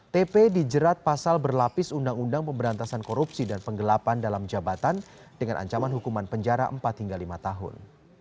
tp dijerat pasal berlapis undang undang pemberantasan korupsi dan penggelapan dalam jabatan dengan ancaman hukuman penjara empat hingga lima tahun